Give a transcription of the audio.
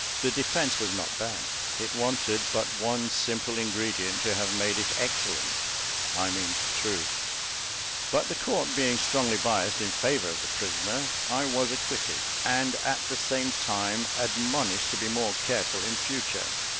The defence was not bad; it wanted but one simple ingredient to have made it excellent I mean truth; but the court being strongly biassed in favour of the prisoner, I was acquitted, and at the same time, "admonished to be more careful in future."